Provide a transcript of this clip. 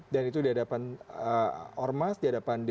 dan itu di hadapan ormas di hadapan fpi